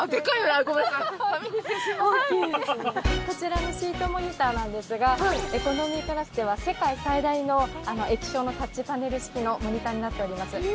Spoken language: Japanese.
こちらのシートモニターなんですがエコノミークラスでは世界最大の液晶のタッチパネル式のモニターになっております。